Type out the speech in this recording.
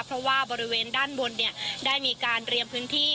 เพราะว่าบริเวณด้านบนได้มีการเตรียมพื้นที่